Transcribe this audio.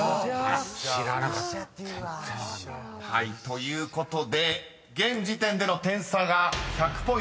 ［ということで現時点での点差が１００ポイントです］